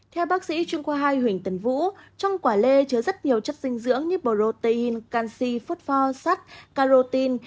theo bác sĩ trung qua hai huỳnh tân vũ trong quả lê chứa rất nhiều chất dinh dưỡng như protein canxi phốt phao sát carotin